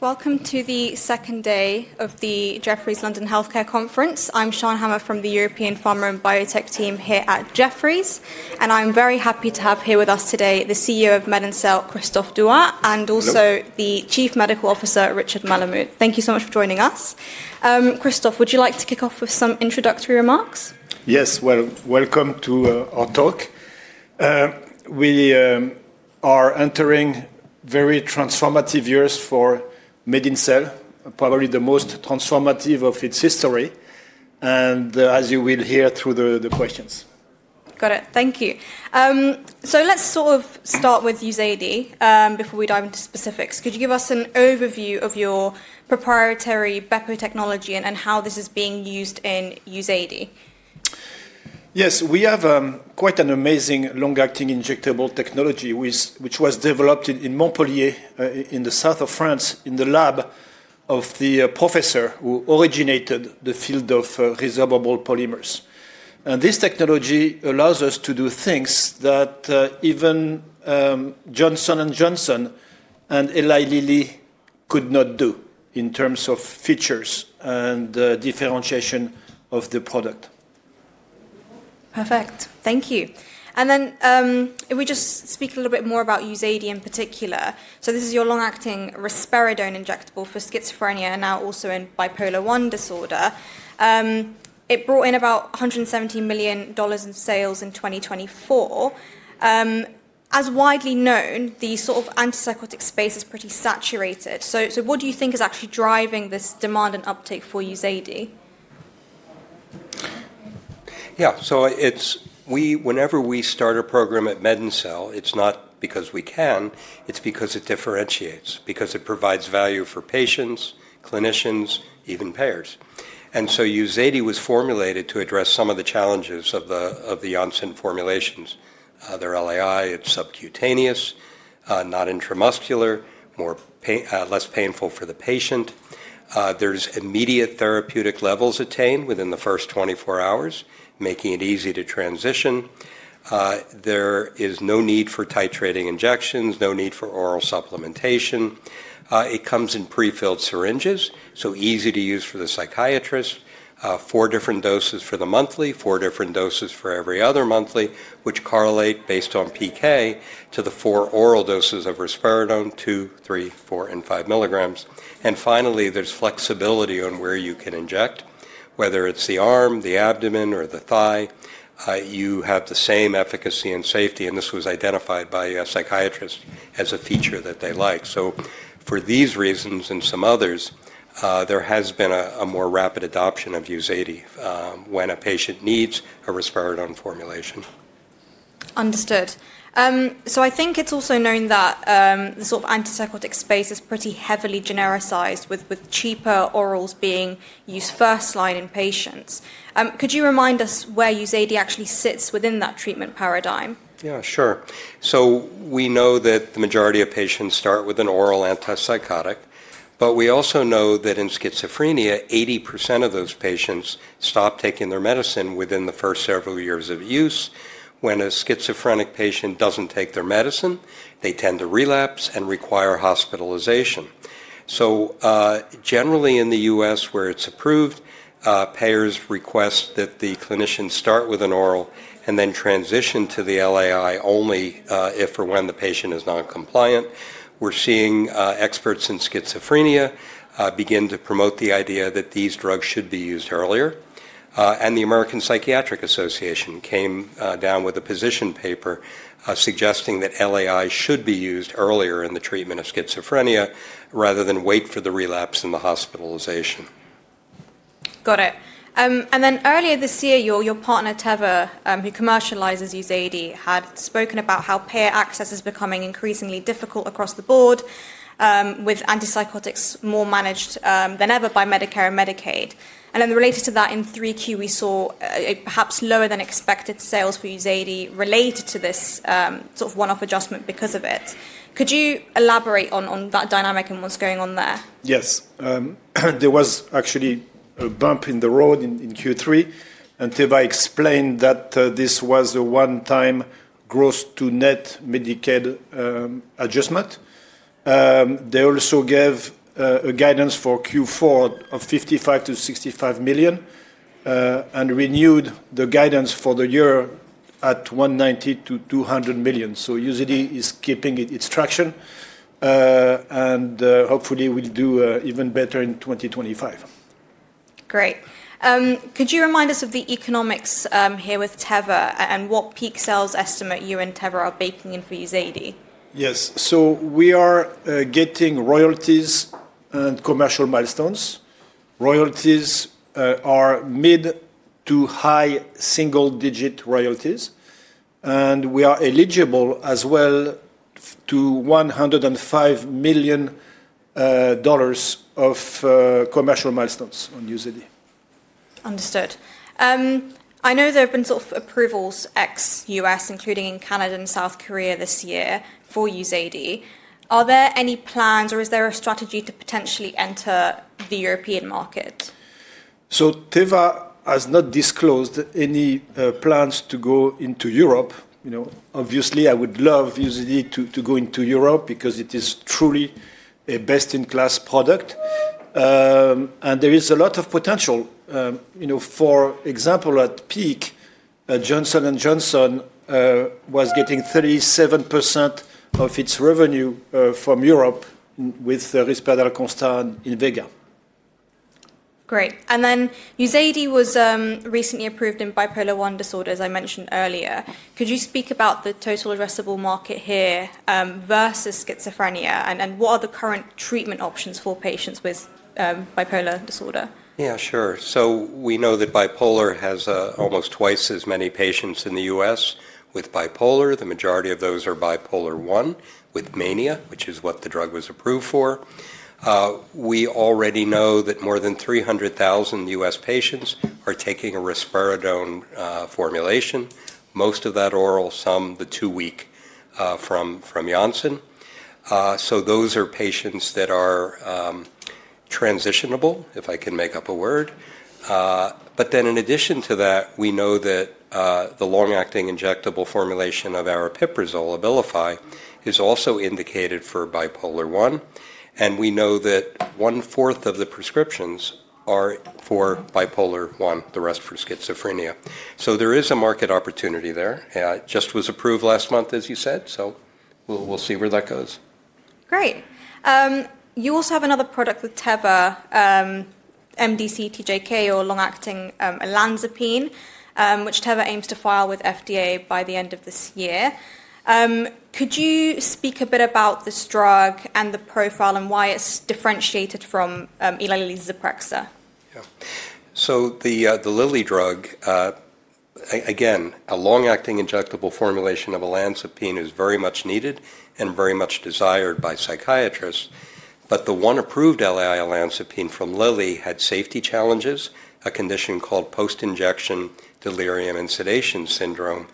Welcome to the second day of the Jefferies London Healthcare Conference. I'm Sian Hammer from the European Pharma and Biotech team here at Jefferies, and I'm very happy to have here with us today the CEO of Medincell, Christophe Douat, and also the Chief Medical Officer, Richard Malamut. Thank you so much for joining us. Christophe, would you like to kick off with some introductory remarks? Yes, well, welcome to our talk. We are entering very transformative years for Medincell, probably the most transformative of its history, as you will hear through the questions. Got it, thank you. Let's sort of start with UZEDY before we dive into specifics. Could you give us an overview of your proprietary BEPO technology and how this is being used in UZEDY? Yes, we have quite an amazing long-acting injectable technology, which was developed in Montpellier, in the south of France, in the lab of the professor who originated the field of resorbable polymers. This technology allows us to do things that even Johnson & Johnson and Eli Lilly could not do in terms of features and differentiation of the product. Perfect, thank you. If we just speak a little bit more about UZEDY in particular, this is your long-acting risperidone injectable for schizophrenia, now also in bipolar I disorder. It brought in about $170 million in sales in 2024. As widely known, the sort of antipsychotic space is pretty saturated. What do you think is actually driving this demand and uptake for UZEDY? Yeah, so whenever we start a program at Medincell, it's not because we can, it's because it differentiates, because it provides value for patients, clinicians, even payers. UZEDY was formulated to address some of the challenges of the Janssen formulations. They're LAI, it's subcutaneous, not intramuscular, less painful for the patient. There's immediate therapeutic levels attained within the first 24 hours, making it easy to transition. There is no need for titrating injections, no need for oral supplementation. It comes in prefilled syringes, so easy to use for the psychiatrist. Four different doses for the monthly, four different doses for every other monthly, which correlate based on PK to the four oral doses of risperidone, 2, 3, 4, and 5 mg. Finally, there's flexibility on where you can inject, whether it's the arm, the abdomen, or the thigh. You have the same efficacy and safety, and this was identified by a psychiatrist as a feature that they like. For these reasons and some others, there has been a more rapid adoption of UZEDY when a patient needs a risperidone formulation. Understood. I think it's also known that the sort of antipsychotic space is pretty heavily genericized, with cheaper orals being used first line in patients. Could you remind us where UZEDY actually sits within that treatment paradigm? Yeah, sure. We know that the majority of patients start with an oral antipsychotic, but we also know that in schizophrenia, 80% of those patients stop taking their medicine within the first several years of use. When a schizophrenic patient doesn't take their medicine, they tend to relapse and require hospitalization. Generally in the US, where it's approved, payers request that the clinicians start with an oral and then transition to the LAI only if or when the patient is non-compliant. We're seeing experts in schizophrenia begin to promote the idea that these drugs should be used earlier. The American Psychiatric Association came down with a position paper suggesting that LAI should be used earlier in the treatment of schizophrenia rather than wait for the relapse and the hospitalization. Got it. Earlier this year, your partner, Teva, who commercializes UZEDY, had spoken about how payer access is becoming increasingly difficult across the board, with antipsychotics more managed than ever by Medicare and Medicaid. Related to that, in Q3, we saw perhaps lower than expected sales for UZEDY related to this sort of one-off adjustment because of it. Could you elaborate on that dynamic and what's going on there? Yes, there was actually a bump in the road in Q3, and Teva explained that this was a one-time gross to net Medicaid adjustment. They also gave a guidance for Q4 of $55 million-$65 million and renewed the guidance for the year at $190 million-$200 million. So UZEDY is keeping its traction, and hopefully we'll do even better in 2025. Great. Could you remind us of the economics here with Teva and what peak sales estimate you and Teva are baking in for UZEDY? Yes, so we are getting royalties and commercial milestones. Royalties are mid to high single-digit royalties, and we are eligible as well to $105 million of commercial milestones on UZEDY. Understood. I know there have been sort of approvals ex-U.S., including in Canada and South Korea this year for UZEDY. Are there any plans or is there a strategy to potentially enter the European market? Teva has not disclosed any plans to go into Europe. Obviously, I would love UZEDY to go into Europe because it is truly a best-in-class product, and there is a lot of potential. For example, at peak, Johnson & Johnson was getting 37% of its revenue from Europe with the Risperdal Consta and Invega. Great. UZEDY was recently approved in bipolar I disorder, as I mentioned earlier. Could you speak about the total addressable market here versus schizophrenia, and what are the current treatment options for patients with bipolar disorder? Yeah, sure. We know that bipolar has almost twice as many patients in the U.S. With bipolar, the majority of those are bipolar I with mania, which is what the drug was approved for. We already know that more than 300,000 US patients are taking a risperidone formulation, most of that oral, some the two-week from Janssen. Those are patients that are transitionable, if I can make up a word. In addition to that, we know that the long-acting injectable formulation of aripiprazole, Abilify, is also indicated for bipolar I, and we know that one-fourth of the prescriptions are for bipolar I, the rest for schizophrenia. There is a market opportunity there. It just was approved last month, as you said, so we'll see where that goes. Great. You also have another product with Teva, mdc-TJK, or long-acting olanzapine, which Teva aims to file with FDA by the end of this year. Could you speak a bit about this drug and the profile and why it's differentiated from Eli Lilly's Zyprexa? Yeah, so the Lilly drug, again, a long-acting injectable formulation of olanzapine is very much needed and very much desired by psychiatrists, but the one approved LAI olanzapine from Lilly had safety challenges, a condition called post-injection delirium and sedation syndrome,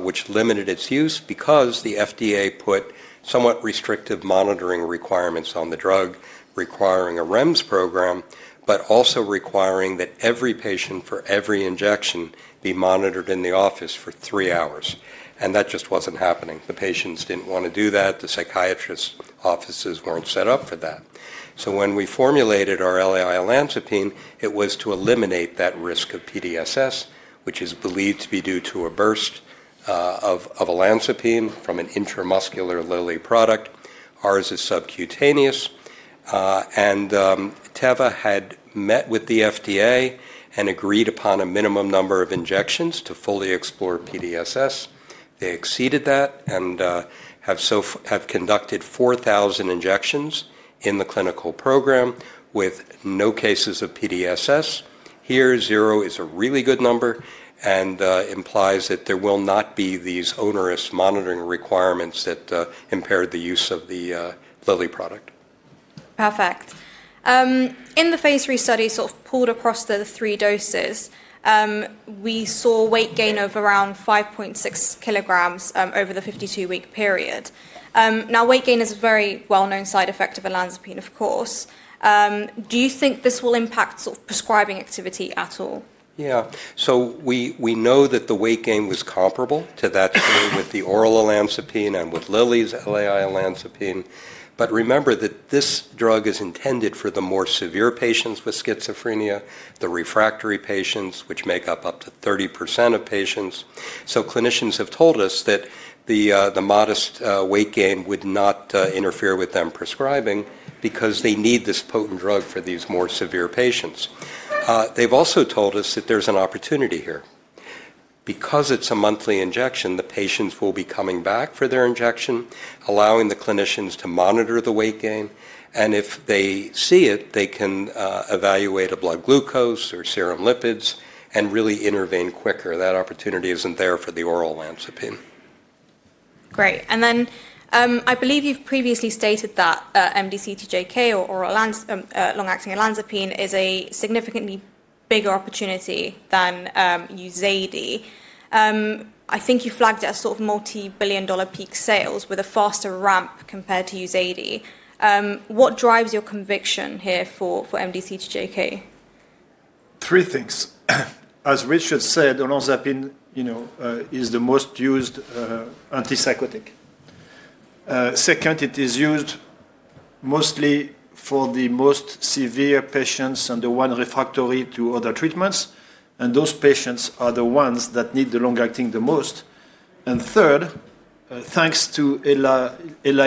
which limited its use because the FDA put somewhat restrictive monitoring requirements on the drug, requiring a REMS program, but also requiring that every patient for every injection be monitored in the office for three hours. That just wasn't happening. The patients didn't want to do that. The psychiatrists' offices weren't set up for that. When we formulated our LAI olanzapine, it was to eliminate that risk of PDSS, which is believed to be due to a burst of olanzapine from an intramuscular Lilly product. Ours is subcutaneous. Teva had met with the FDA and agreed upon a minimum number of injections to fully explore PDSS. They exceeded that and have conducted 4,000 injections in the clinical program with no cases of PDSS. Here, zero is a really good number and implies that there will not be these onerous monitoring requirements that impair the use of the Lilly product. Perfect. In the phase three study sort of pulled across the three doses, we saw weight gain of around 5.6 kilograms over the 52-week period. Now, weight gain is a very well-known side effect of olanzapine, of course. Do you think this will impact sort of prescribing activity at all? Yeah, so we know that the weight gain was comparable to that with the oral olanzapine and with Lilly's LAI olanzapine. Remember that this drug is intended for the more severe patients with schizophrenia, the refractory patients, which make up to 30% of patients. Clinicians have told us that the modest weight gain would not interfere with them prescribing because they need this potent drug for these more severe patients. They've also told us that there's an opportunity here. Because it's a monthly injection, the patients will be coming back for their injection, allowing the clinicians to monitor the weight gain. If they see it, they can evaluate a blood glucose or serum lipids and really intervene quicker. That opportunity isn't there for the oral olanzapine. Great. I believe you've previously stated that mdc-TJK or long-acting olanzapine is a significantly bigger opportunity than UZEDY. I think you flagged it as sort of multi-billion dollar peak sales with a faster ramp compared to UZEDY. What drives your conviction here for mdc-TJK? Three things. As Richard said, olanzapine is the most used antipsychotic. Second, it is used mostly for the most severe patients and the ones refractory to other treatments. Those patients are the ones that need the long-acting the most. Third, thanks to Eli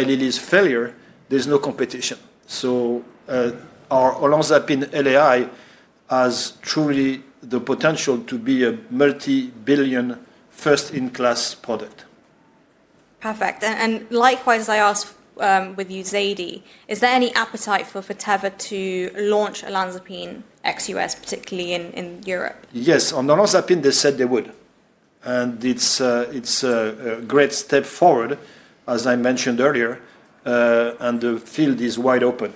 Lilly's failure, there is no competition. Our olanzapine LAI has truly the potential to be a multi-billion first-in-class product. Perfect. And likewise, I asked with UZEDY, is there any appetite for Teva to launch olanzapine ex-U.S., particularly in Europe? Yes, on olanzapine, they said they would. It is a great step forward, as I mentioned earlier, and the field is wide open.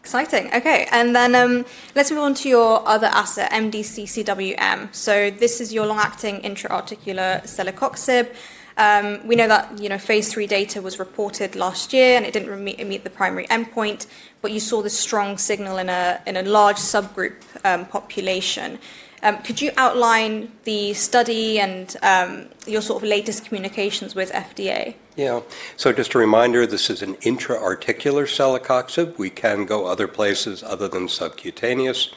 Exciting. Okay, and then let's move on to your other asset, mdc-CWM. This is your long-acting intra-articular celecoxib. We know that phase three data was reported last year and it did not meet the primary endpoint, but you saw the strong signal in a large subgroup population. Could you outline the study and your sort of latest communications with FDA? Yeah, so just a reminder, this is an intra-articular celecoxib. We can go other places other than subcutaneous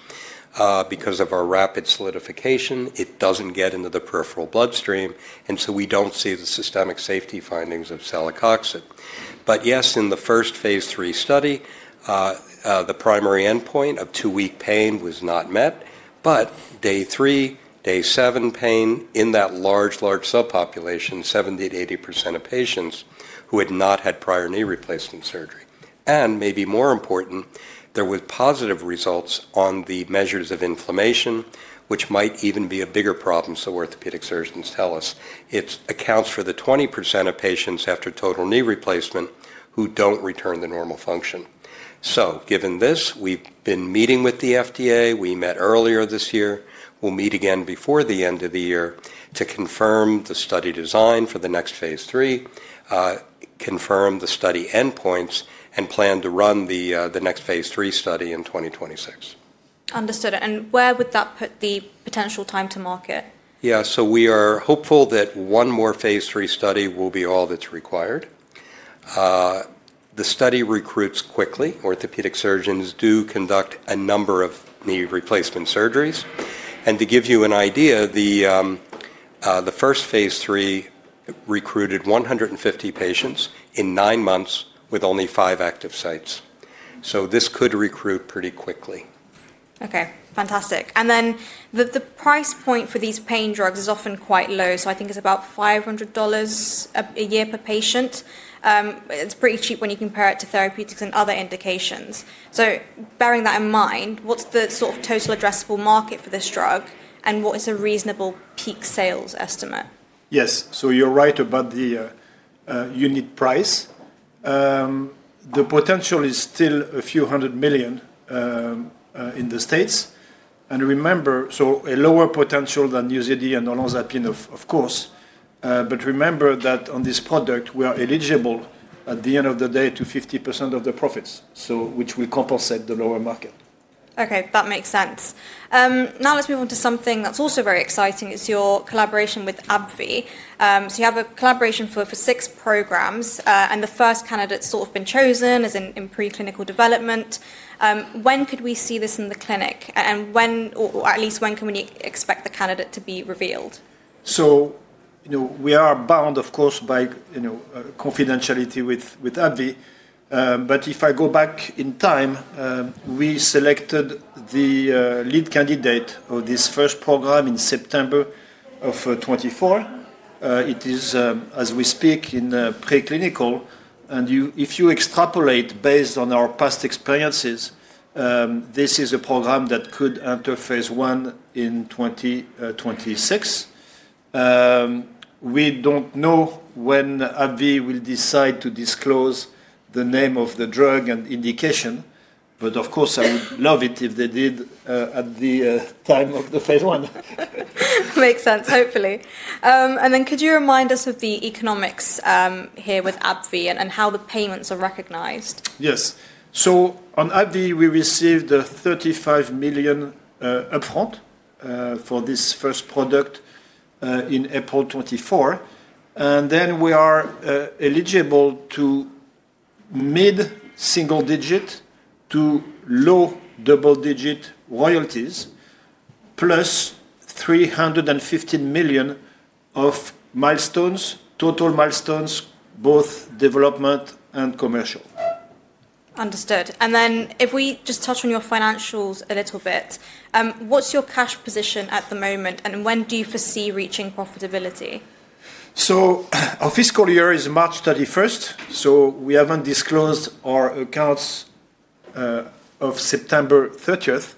because of our rapid solidification. It doesn't get into the peripheral bloodstream, and so we don't see the systemic safety findings of celecoxib. Yes, in the first phase three study, the primary endpoint of two-week pain was not met, but day three, day seven pain in that large, large subpopulation, 70%-80% of patients who had not had prior knee replacement surgery. Maybe more important, there were positive results on the measures of inflammation, which might even be a bigger problem, so orthopedic surgeons tell us. It accounts for the 20% of patients after total knee replacement who don't return to normal function. Given this, we've been meeting with the FDA. We met earlier this year. We'll meet again before the end of the year to confirm the study design for the next phase three, confirm the study endpoints, and plan to run the next phase three study in 2026. Understood. Where would that put the potential time to market? Yeah, so we are hopeful that one more phase three study will be all that's required. The study recruits quickly. Orthopedic surgeons do conduct a number of knee replacement surgeries. To give you an idea, the first phase three recruited 150 patients in nine months with only five active sites. This could recruit pretty quickly. Okay, fantastic. The price point for these pain drugs is often quite low, so I think it's about $500 a year per patient. It's pretty cheap when you compare it to therapeutics and other indications. Bearing that in mind, what's the sort of total addressable market for this drug, and what is a reasonable peak sales estimate? Yes, so you're right about the unit price. The potential is still a few hundred million in the U.S. And remember, so a lower potential than UZEDY and olanzapine, of course. But remember that on this product, we are eligible at the end of the day to 50% of the profits, which will compensate the lower market. Okay, that makes sense. Now let's move on to something that's also very exciting. It's your collaboration with AbbVie. You have a collaboration for six programs, and the first candidate's sort of been chosen as in preclinical development. When could we see this in the clinic, and when or at least when can we expect the candidate to be revealed? We are bound, of course, by confidentiality with AbbVie. If I go back in time, we selected the lead candidate of this first program in September of 2024. It is, as we speak, in preclinical. If you extrapolate based on our past experiences, this is a program that could enter phase I in 2026. We do not know when AbbVie will decide to disclose the name of the drug and indication, but of course, I would love it if they did at the time of the phase I. Makes sense, hopefully. Could you remind us of the economics here with AbbVie and how the payments are recognized? Yes, so on AbbVie, we received $35 million upfront for this first product in April 2024. And then we are eligible to mid-single-digit to low double-digit royalties, plus $315 million of milestones, total milestones, both development and commercial. Understood. If we just touch on your financials a little bit, what's your cash position at the moment, and when do you foresee reaching profitability? Our fiscal year is March 31st, so we haven't disclosed our accounts as of September 30th.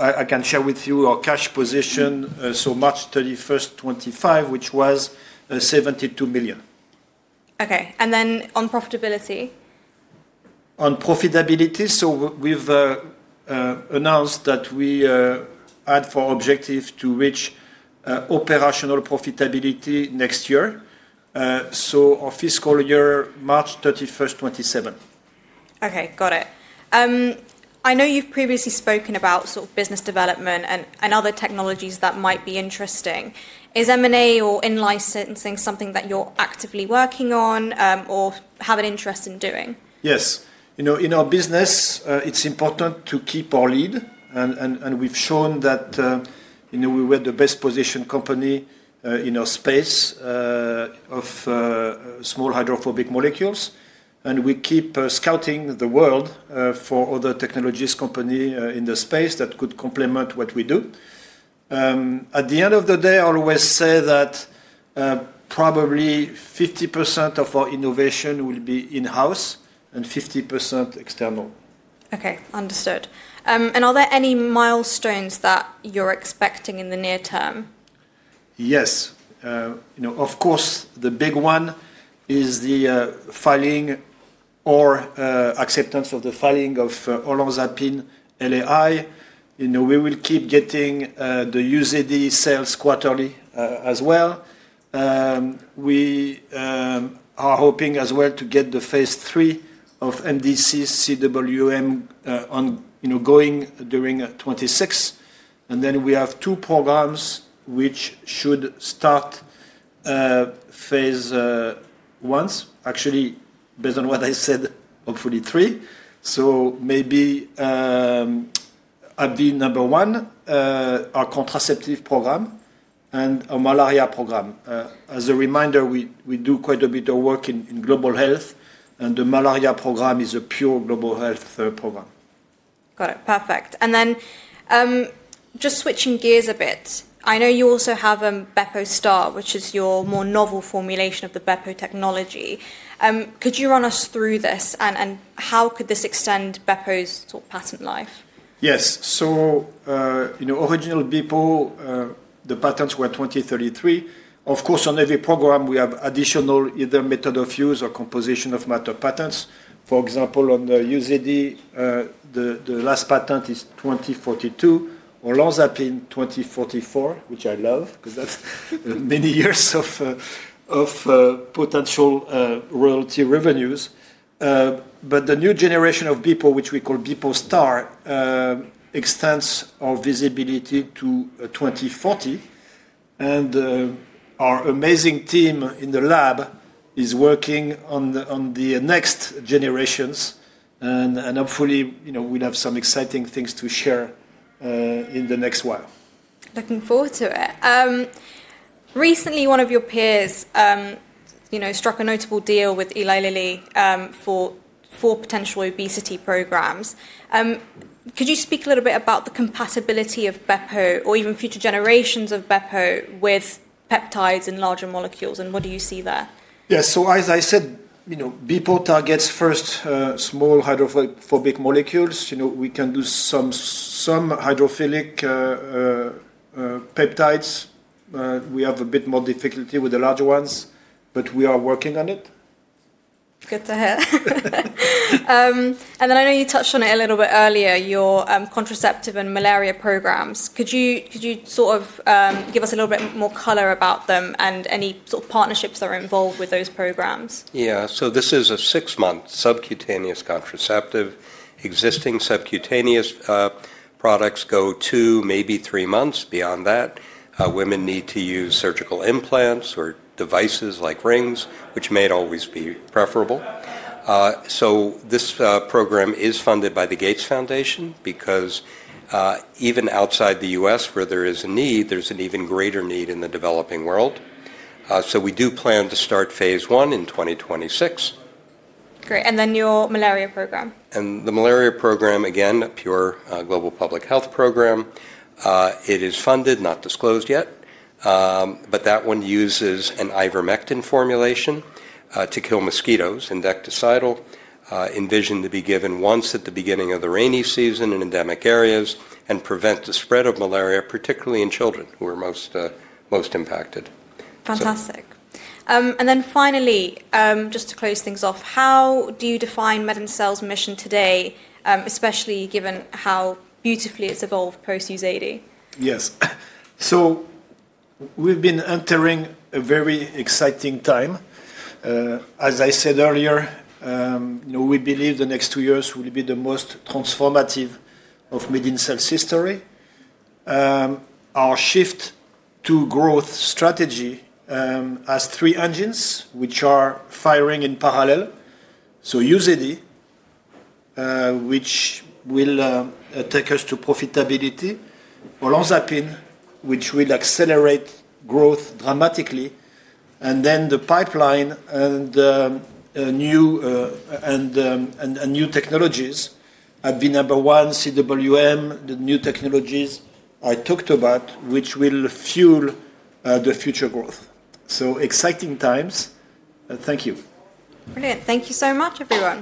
I can share with you our cash position as of March 31st, 2025, which was $72 million. Okay, and then on profitability? On profitability, so we've announced that we had for objective to reach operational profitability next year. So our fiscal year, March 31st, 2027. Okay, got it. I know you've previously spoken about sort of business development and other technologies that might be interesting. Is M&A or in-licensing something that you're actively working on or have an interest in doing? Yes, in our business, it's important to keep our lead, and we've shown that we were the best positioned company in our space of small hydrophobic molecules. We keep scouting the world for other technologies companies in the space that could complement what we do. At the end of the day, I'll always say that probably 50% of our innovation will be in-house and 50% external. Okay, understood. Are there any milestones that you're expecting in the near term? Yes, of course, the big one is the filing or acceptance of the filing of olanzapine LAI. We will keep getting the UZEDY sales quarterly as well. We are hoping as well to get the phase three of mdc-CWM going during 2026. We have two programs which should start phase ones, actually, based on what I said, hopefully three. Maybe AbbVie number one, our contraceptive program, and our malaria program. As a reminder, we do quite a bit of work in global health, and the malaria program is a pure global health program. Got it, perfect. And then just switching gears a bit, I know you also have Bepostar, which is your more novel formulation of the BEPO technology. Could you run us through this, and how could this extend BEPO's patent life? Yes, so original BEPO, the patents were 2033. Of course, on every program, we have additional either method of use or composition of matter patents. For example, on the UZEDY, the last patent is 2042, olanzapine 2044, which I love because that's many years of potential royalty revenues. The new generation of BEPO, which we call Bepostar, extends our visibility to 2040. Our amazing team in the lab is working on the next generations, and hopefully, we'll have some exciting things to share in the next while. Looking forward to it. Recently, one of your peers struck a notable deal with Eli Lilly for four potential obesity programs. Could you speak a little bit about the compatibility of BEPO or even future generations of BEPO with peptides and larger molecules, and what do you see there? Yeah, so as I said, BEPO targets first small hydrophobic molecules. We can do some hydrophilic peptides. We have a bit more difficulty with the larger ones, but we are working on it. Good to hear. I know you touched on it a little bit earlier, your contraceptive and malaria programs. Could you sort of give us a little bit more color about them and any sort of partnerships that are involved with those programs? Yeah, so this is a six-month subcutaneous contraceptive. Existing subcutaneous products go two, maybe three months. Beyond that, women need to use surgical implants or devices like rings, which may not always be preferable. This program is funded by the Gates Foundation because even outside the US, where there is a need, there is an even greater need in the developing world. We do plan to start phase one in 2026. Great, and the new malaria program? The malaria program, again, a pure global public health program. It is funded, not disclosed yet, but that one uses an ivermectin formulation to kill mosquitoes and dectocidal envisioned to be given once at the beginning of the rainy season in endemic areas and prevent the spread of malaria, particularly in children who are most impacted. Fantastic. Finally, just to close things off, how do you define Medincell's mission today, especially given how beautifully it's evolved post UZEDY? Yes, so we've been entering a very exciting time. As I said earlier, we believe the next two years will be the most transformative of Medincell's history. Our shift to growth strategy has three engines which are firing in parallel. UZEDY, which will take us to profitability, olanzapine, which will accelerate growth dramatically, and then the pipeline and new technologies. AbbVie number one, CWM, the new technologies I talked about, which will fuel the future growth. So exciting times. Thank you. Brilliant. Thank you so much, everyone.